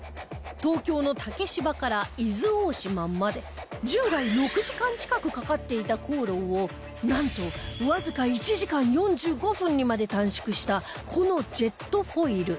東京の竹芝から伊豆大島まで従来６時間近くかかっていた航路をなんとわずか１時間４５分にまで短縮したこのジェットフォイル